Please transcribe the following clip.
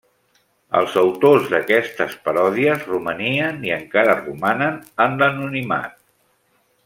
Els autors d'aquestes paròdies romanien i encara romanen en l'anonimat.